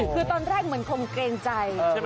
คือตอนแรกเหมือนคงเกรงใจ